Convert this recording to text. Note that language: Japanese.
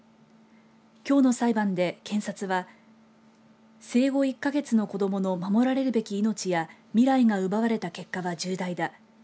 きょうの裁判で検察は生後１か月の子どもの守られるべき命や未来が奪われた結果は重大だ。